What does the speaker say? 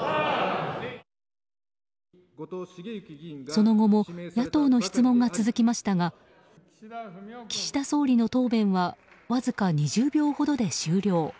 その後も野党の質問が続きましたが岸田総理の答弁はわずか２０秒ほどで終了。